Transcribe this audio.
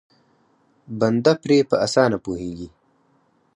بنده پرې په اسانه پوهېږي.